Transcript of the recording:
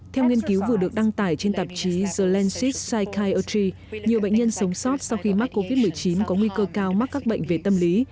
theo nghiên cứu vừa được đăng tải trên tạp chí the lancet pycyortry nhiều bệnh nhân sống sót sau khi mắc covid một mươi chín có nguy cơ cao mắc các bệnh về tâm lý